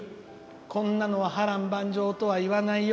こんなのは波瀾万丈とは言わないよ。